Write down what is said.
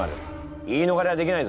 言いのがれはできないぞ。